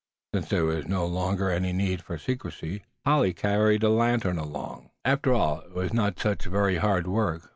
Since there was no longer any need for secrecy, Polly carried the lantern along. After all, it was not such very hard work.